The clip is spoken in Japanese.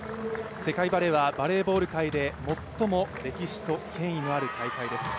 世界バレーはバレーボール界で最も歴史と権威のある大会です。